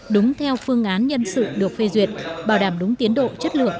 đúng theo phương án nhân sự được phê duyệt bảo đảm đúng tiến độ chất lượng